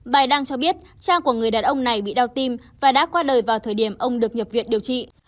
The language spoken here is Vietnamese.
bài đăng cho biết cha của người đàn ông này bị đau tim và đã qua đời vào thời điểm ông được nhập viện điều trị